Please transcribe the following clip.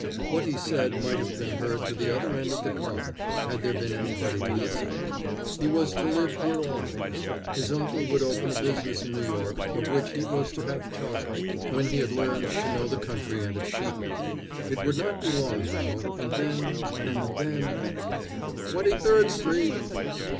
What he said might have been heard to the other end of the car, had there been anybody to listen. He was to live here always; his uncle would open a business in New York, of which he was to have charge, when he had learned to know the country and its people. It would not be long now, and then and then "Twenty third street!"